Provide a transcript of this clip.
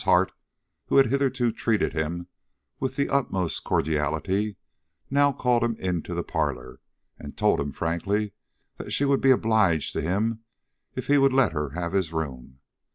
Hart, who had hitherto treated him with the utmost cordiality, now called him into the parlor, and told him frankly that she would be obliged to him if he would let her have his room.